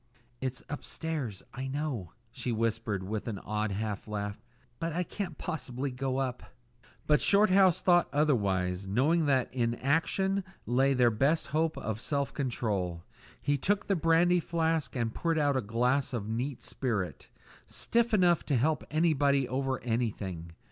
"It's upstairs, I know," she whispered, with an odd half laugh; "but I can't possibly go up." But Shorthouse thought otherwise, knowing that in action lay their best hope of self control. He took the brandy flask and poured out a glass of neat spirit, stiff enough to help anybody over anything.